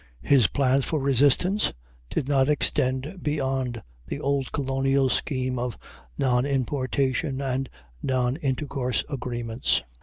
His plans of resistance did not extend beyond the old colonial scheme of non importation and non intercourse agreements.